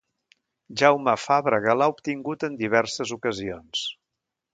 Jaume Fàbrega l'ha obtingut en diverses ocasions.